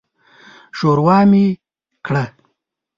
ښوروا مې کړه.